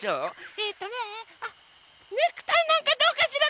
えっとねあっネクタイなんかどうかしら？